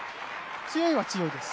強いは強いです。